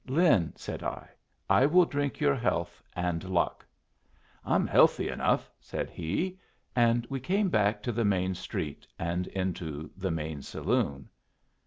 "Lin," said I, "I will drink your health and luck." "I'm healthy enough," said he; and we came back to the main street and into the main saloon.